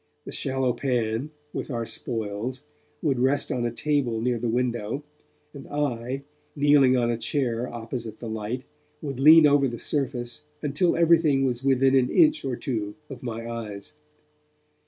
The shallow pan, with our spoils, would rest on a table near the window, and I, kneeling on a chair opposite the light, would lean over the surface until everything was within an inch or two of my eyes.